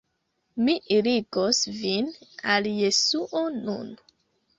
"Mi irigos vin al Jesuo nun."